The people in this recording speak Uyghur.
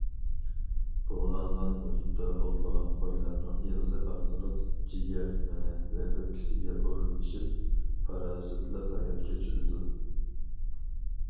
بۇلغانغان مۇھىتتا ئوتلىغان قويلارنىڭ ئېغىزى ئارقىلىق جىگەر، مېڭە ۋە ئۆپكىسىگە ئورۇنلىشىپ پارازىتلىق ھايات كەچۈرىدۇ.